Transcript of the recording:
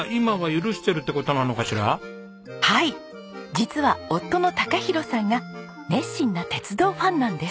実は夫の昂広さんが熱心な鉄道ファンなんです。